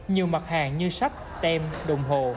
nhiều mặt hàng như sách tem đồng hồ